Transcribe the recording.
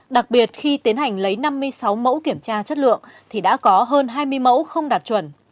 đặc biệt khi tiến hành lấy năm mươi sáu mẫu kiểm tra chất lượng thì đã có hơn hai mươi mẫu không đạt chuẩn